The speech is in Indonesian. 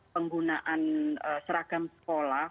penggunaan seragam sekolah